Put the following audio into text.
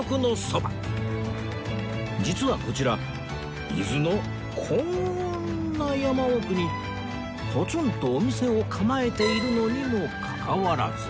実はこちら伊豆のこんな山奥にぽつんとお店を構えているのにもかかわらず